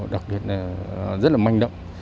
đặc biệt là rất là manh động